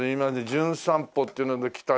『じゅん散歩』っていうので来た